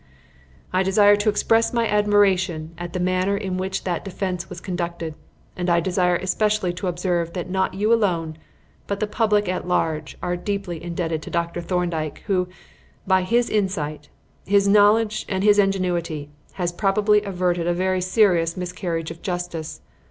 "I desire to express my admiration at the manner in which that defence was conducted, and I desire especially to observe that not you alone, but the public at large, are deeply indebted to Dr. Thorndyke, who, by his insight, his knowledge and his ingenuity, has probably averted a very serious miscarriage of justice.